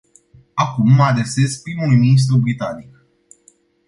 Acum mă adresez primului ministru britanic.